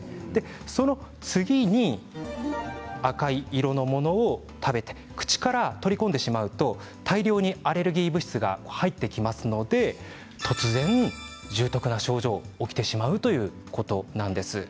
その次に赤い色のものを食べて口から取り込んでしまうと大量にアレルギー物質が入ってきますので突然、重篤な症状が起きてしまうということなんです。